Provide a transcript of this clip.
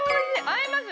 合います！